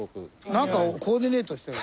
なんかコーディネートしてる。